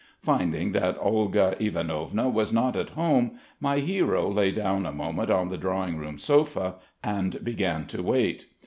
Finding that Olga Ivanovna was not at home, my hero lay down a moment on the drawing room sofa and began to wait.